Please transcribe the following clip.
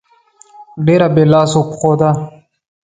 ډېره بې لاسو پښو ده.